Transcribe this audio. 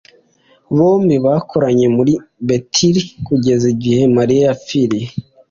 Bombi bakoranye kuri Beteli kugeza igihe Maria yapfiriye